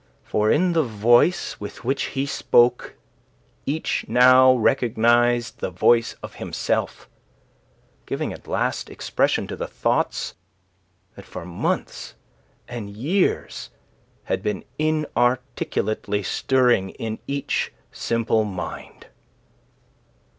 For in the voice with which he spoke each now recognized the voice of himself, giving at last expression to the thoughts that for months and years had been inarticulately stirring in each simple mind.